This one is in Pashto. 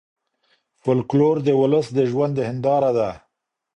فولکلور د ولس د ژوند هنداره ده.